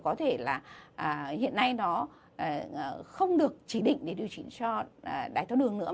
có thể là hiện nay nó không được chỉ định để điều chỉnh cho đáy thoát đường nữa